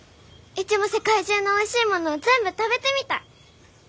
うちも世界中のおいしいもの全部食べてみたい！